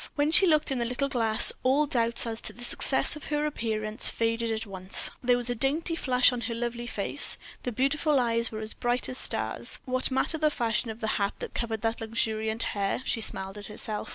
When she looked in the little glass all doubts as to the success of her appearance faded at once. There was a dainty flush on her lovely face, the beautiful eyes were bright as stars. What matter the fashion of the hat that covered that luxuriant hair? She smiled at herself.